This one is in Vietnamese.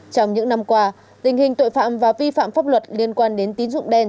trong những năm qua tình hình tội phạm và vi phạm pháp luật liên quan đến tín dụng đen